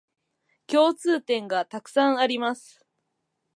共通点がたくさんあります